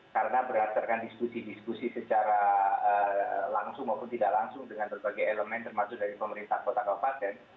karena berdasarkan diskusi diskusi secara langsung maupun tidak langsung dengan berbagai elemen termasuk dari pemerintah kota kewapaten